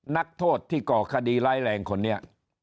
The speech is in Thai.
นักโทษที่ก่อคดีร้ายแรงคนนี้